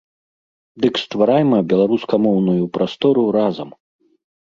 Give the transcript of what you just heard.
Дык стварайма беларускамоўную прастору разам!